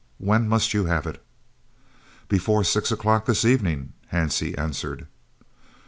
When must you have it?" "Before six o'clock this evening," Hansie answered.